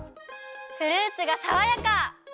フルーツがさわやか！